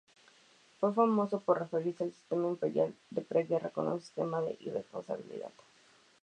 Fue famoso por referirse al sistema imperial de preguerra como un "sistema de irresponsabilidad".